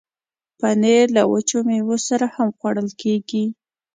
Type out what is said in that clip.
پنېر له وچو میوو سره هم خوړل کېږي.